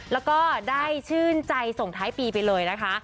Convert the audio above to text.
แล้วก็ได้ชื่นใจส่งท้ายปีไปเลยนะคะ